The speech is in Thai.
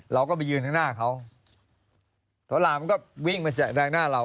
เราก็ไปยืนข้างหน้าเขาตัวลามันก็วิ่งมาจากแดงหน้าเรา